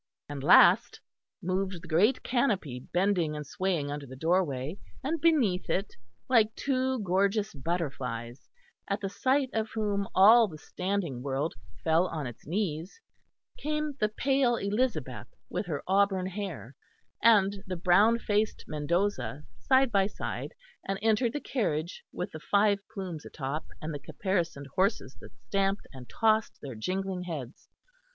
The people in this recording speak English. And last moved the great canopy bending and swaying under the doorway, and beneath it, like two gorgeous butterflies, at the sight of whom all the standing world fell on its knees, came the pale Elizabeth with her auburn hair, and the brown faced Mendoza, side by side; and entered the carriage with the five plumes atop and the caparisoned horses that stamped and tossed their jingling heads.